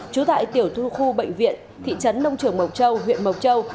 trú tại tiểu khu bệnh viện thị trấn nông trường mộc châu huyện mộc châu